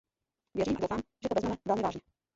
Věřím a doufám, že to vezmeme velmi vážně.